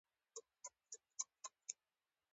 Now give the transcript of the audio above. کلیمه د فکر څرګندونه کوي.